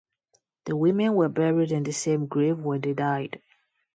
The women were buried in the same grave when they died.